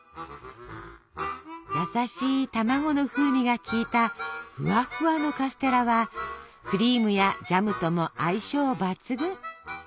優しい卵の風味が利いたフワフワのカステラはクリームやジャムとも相性抜群。